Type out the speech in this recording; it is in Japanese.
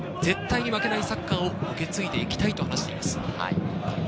黒田総監督が作り上げてきた絶対に負けないサッカーを受け継いでいきたいと話しています。